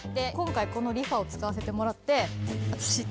今回このリファを使わせてもらって。